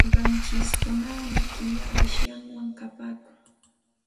Qanchish hunaqmi killa qishyaywan kapaakun.